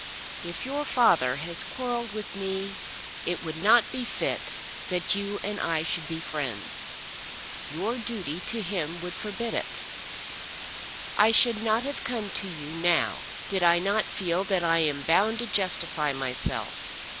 "If your father has quarrelled with me, it would not be fit that you and I should be friends. Your duty to him would forbid it. I should not have come to you now did I not feel that I am bound to justify myself.